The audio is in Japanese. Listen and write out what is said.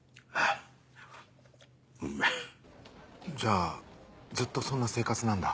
じゃあずっとそんな生活なんだ。